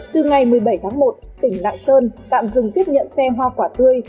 từ ngày một mươi bảy tháng một tỉnh lạng sơn tạm dừng tiếp nhận xe hoa quả tươi